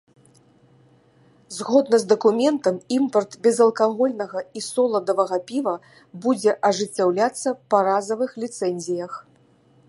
Згодна з дакументам, імпарт безалкагольнага і соладавага піва будзе ажыццяўляцца па разавых ліцэнзіях.